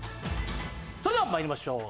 それでは参りましょう。